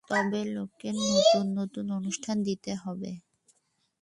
তবে লোককে নূতন নূতন অনুষ্ঠান দিতে হবে।